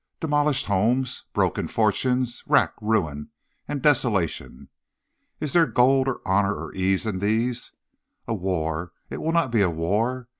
Demolished homes, broken fortunes, rack, ruin and desolation. Is there gold, or honor, or ease in these? A war! It will not be a war.